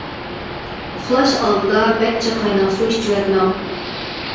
ئۇخلاش ئالدىدا بەك جىق قايناق سۇ ئىچىۋەتمەڭ.